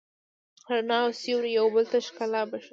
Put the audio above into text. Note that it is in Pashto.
رڼا او سیوری یو بل ته ښکلا بښي.